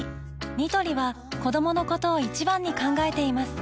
ニトリは子どものことを一番に考えています